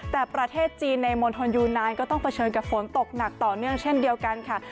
แต่ประเทศจีนในมณฑลยูนานก็ต้องเผชิญกับฝนตกหนักต่อเนื่องเช่นเดียวกันค่ะ